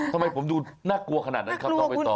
ทำไมผมดูน่ากลัวขนาดนั้นครับน้องไปต่อ